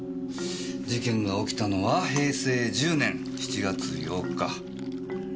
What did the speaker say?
事件が起きたのは平成１０年７月８日。